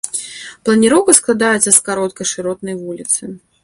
Планіроўка складаецца з кароткай шыротнай вуліцы.